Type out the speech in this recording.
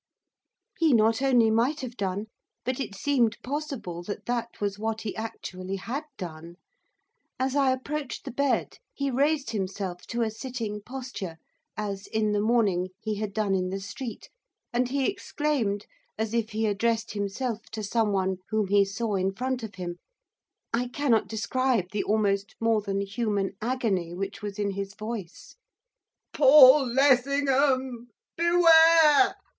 He not only might have done, but it seemed possible that that was what he actually had done. As I approached the bed, he raised himself to a sitting posture, as, in the morning, he had done in the street, and he exclaimed, as if he addressed himself to someone whom he saw in front of him, I cannot describe the almost more than human agony which was in his voice, 'Paul Lessingham! Beware!